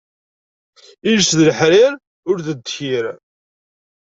Iles d leḥrir, ul d ddkir.